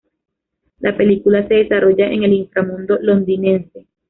La película se desarrolla en el inframundo londinense.